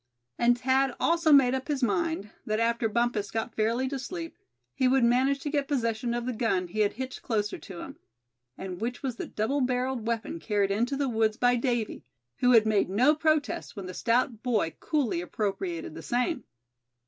And Thad also made up his mind that after Bumpus got fairly to sleep he would manage to get possession of the gun he had hitched closer to him, and which was the double barreled weapon carried into the woods by Davy, who had made no protest when the stout boy coolly appropriated the same.